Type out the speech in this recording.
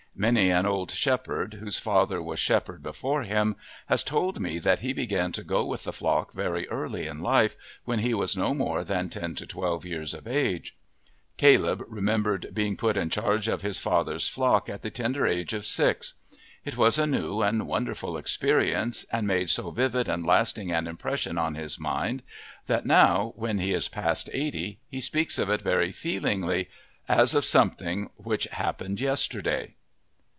Many an old shepherd, whose father was shepherd before him, has told me that he began to go with the flock very early in life, when he was no more than ten to twelve years of age. Caleb remembered being put in charge of his father's flock at the tender age of six. It was a new and wonderful experience, and made so vivid and lasting an impression on his mind that now, when he is past eighty, he speaks of it very feelingly as of something which happened yesterday.